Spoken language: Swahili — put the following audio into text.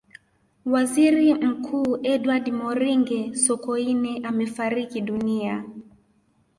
waziri mkuu edward moringe sokoine amefariki dunia